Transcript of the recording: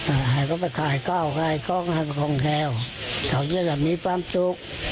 อ่าให้เขาไปขายก้าวขายก้องให้เขาไปของแถวเขาจะจะมีความสุข